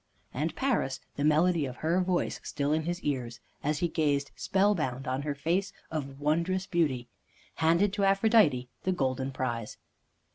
And Paris, the melody of her voice still in his ears, as he gazed spellbound on her face of wondrous beauty, handed to Aphrodite the golden prize.